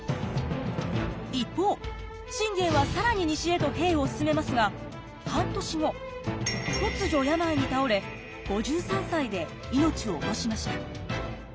一方信玄は更に西へと兵を進めますが半年後突如病に倒れ５３歳で命を落としました。